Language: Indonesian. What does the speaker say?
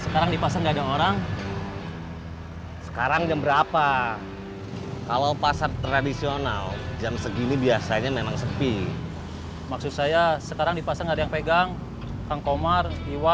karena nanti cuma urusan oleh kang komar